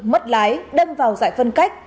mất lái đâm vào dạy phân cách